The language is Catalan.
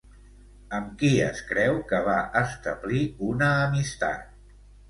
Amb qui es creu que va establir una amistat?